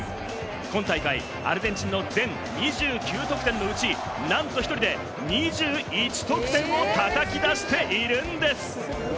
今大会、アルゼンチンの全２９得点のうち、なんと１人で２１得点を叩き出しているんです。